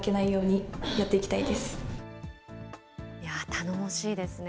頼もしいですね。